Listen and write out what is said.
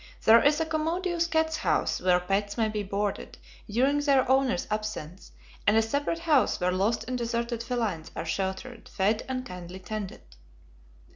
There is a commodious cat's house where pets may be boarded during their owner's absence; and a separate house where lost and deserted felines are sheltered, fed, and kindly tended.